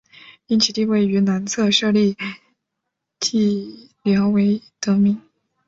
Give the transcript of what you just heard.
因其地位于南侧设立隘寮而得名。